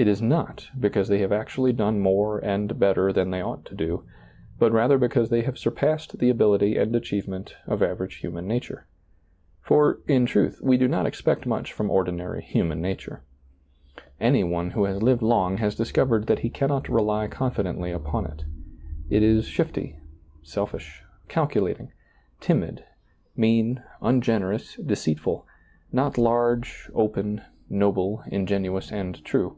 It is not because they have actually done more and better than they ought to do, but rather because they have surpassed the ability and achievement of average human nature. For, in truth, we do not expect much from ordinary DiailizccbvGoOgle THE UNPROFITABLE SERVANT 63 human nature. Any one who has lived long has discovered that he cannot rely confidently upon it. It is shifty, selfish, calculating, timid, mean, ungenerous, deceitful — not large, open, noble, ingenuous and true.